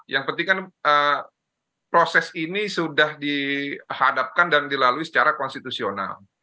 yang penting kan proses ini sudah dihadapkan dan dilalui secara konstitusional